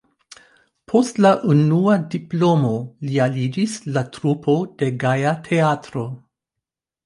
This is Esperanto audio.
Post la unua diplomo li aliĝis al trupo de Gaja Teatro.